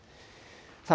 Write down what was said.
さあ、